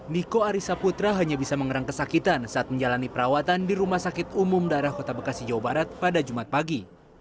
niko arissa putra hanya bisa mengerang kesakitan saat menjalani perawatan di rumah sakit umum daerah kota bekasi jawa barat pada jumat pagi